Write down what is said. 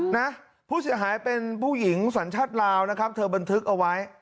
นะผู้เสียหายเป็นผู้หญิงสัญชาติลาวนะครับเธอบันทึกเอาไว้